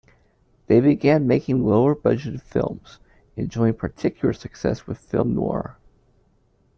They began making lower budgeted films, enjoying particular success with film noir.